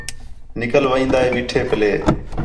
نِکل وین٘دا ہے میٹھے پلّے